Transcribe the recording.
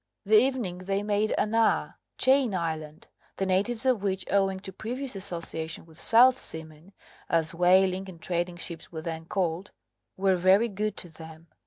That evening they made Anaa (Chain Island), the natives of which, owing to previous association with South Seamen as whaling and trading ships were then called were very good to them.